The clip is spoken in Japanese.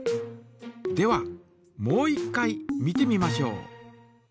ではもう一回見てみましょう。